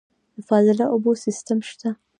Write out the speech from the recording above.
د فاضله اوبو سیستم شته؟